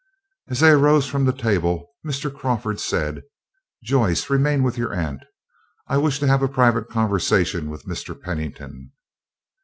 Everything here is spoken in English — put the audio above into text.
As they arose from the table, Mr. Crawford said: "Joyce, remain with your aunt, I wish to have a private conversation with Mr. Pennington."